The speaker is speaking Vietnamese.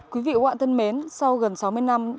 quý vị quạng thân mến sau gần sáu mươi năm